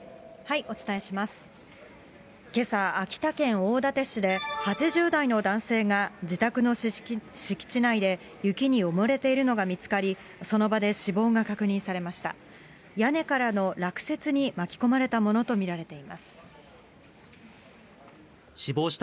けさ、秋田県大館市で、８０代の男性が自宅の敷地内で雪に埋もれているのが見つかり、その場で死亡が確認されました。